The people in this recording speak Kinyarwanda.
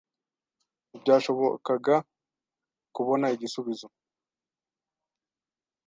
Ntibyashobokaga kubona igisubizo.